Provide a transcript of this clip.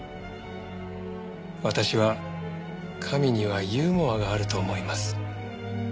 私は神にはユーモアがあると思います。